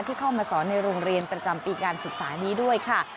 เข้ามาสอนในโรงเรียนประจำปีการศึกษานี้ด้วยค่ะ